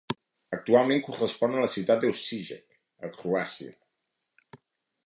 Actualment correspon a la ciutat d'Osijek, a Croàcia.